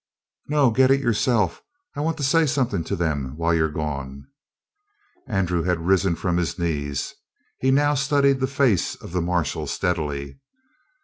"No, get it yourself. I want to say something to them while you're gone." Andrew had risen up from his knees. He now studied the face of the marshal steadily.